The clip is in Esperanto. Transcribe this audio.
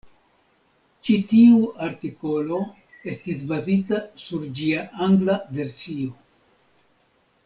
Ĉi tiu artikolo estis bazita sur ĝia angla versio.